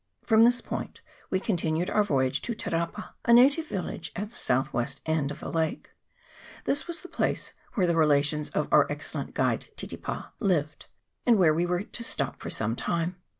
From this point we continued our voyage to Te Rapa, a native village at the south west end of the lake. This was the place where the relations of our excellent guide, Titipa, lived, and where we were to stop for some time.